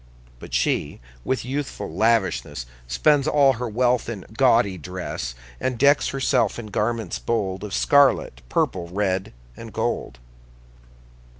But she, with youthful lavishness, Spends all her wealth in gaudy dress, And decks herself in garments bold Of scarlet, purple, red, and gold.